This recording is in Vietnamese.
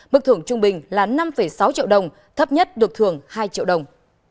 mức thưởng trung bình là năm sáu triệu đồng thấp nhất được thưởng hai triệu đồng